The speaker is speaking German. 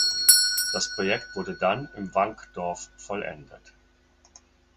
Das Projekt wurde dann im Wankdorf vollendet.